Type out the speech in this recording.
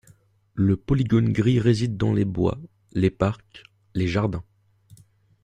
Le Polygone gris réside dans les bois, les parcs, les jardins.